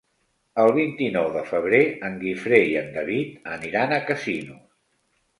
El vint-i-nou de febrer en Guifré i en David aniran a Casinos.